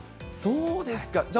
そうですか。